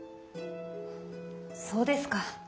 そうですか。